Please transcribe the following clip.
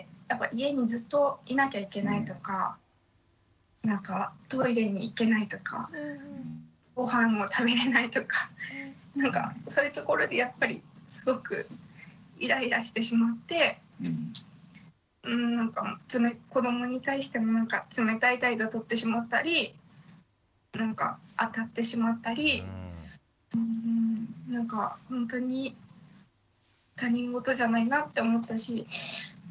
家にずっといなきゃいけないとかなんかトイレに行けないとかごはんも食べれないとかそういうところでやっぱりすごくイライラしてしまって子どもに対しても冷たい態度をとってしまったりあたってしまったりなんかほんとに他人事じゃないなって思ったし。